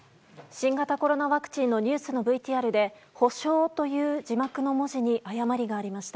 新型コロナワクチンのニュースのＶＴＲでほしょうという文字に誤りがありました。